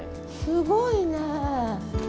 すごいね。